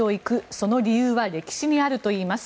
その理由は歴史にあるといいます。